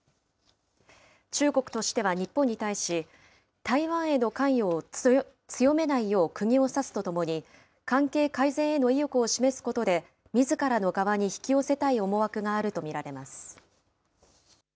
中国としては日本に対し、台湾への関与を強めないようくぎを刺すとともに、関係改善への意欲を示すことで、みずからの側に引き寄せたい思惑があると見られます。